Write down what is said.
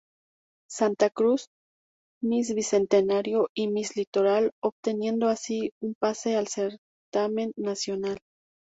Santa Cruz, Miss Bicentenario y Miss Litoral obteniendo así un pase al certamen nacional.